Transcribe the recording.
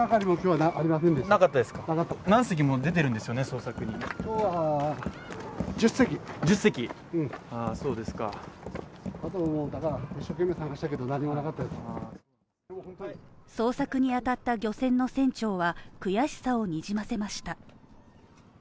捜索にあたった漁船の船長は悔しさをにじませました。